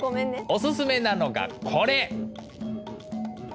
おすすめなのがこれ！